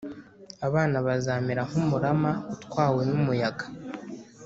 abana bazamera nk’umurama utwawe n’umuyaga,